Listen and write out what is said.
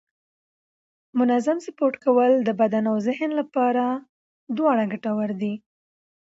منظم سپورت کول د بدن او ذهن لپاره دواړه ګټور دي